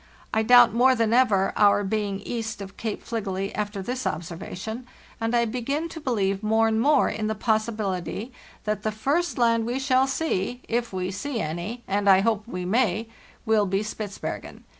I doubt more than ever our being east of Cape Fligely after this observation, and I begin to believe more and more in the possibility that the first land we shall see—if we see any, and lI BY SLEDGE AND KAYAK 1) hope we may—will be Spitzbergen.